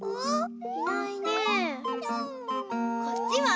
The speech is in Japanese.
こっちは？